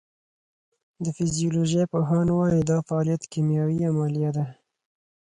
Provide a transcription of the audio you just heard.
د فزیولوژۍ پوهان وایی دا فعالیت کیمیاوي عملیه ده